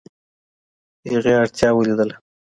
هغې اړتیا ولیدله.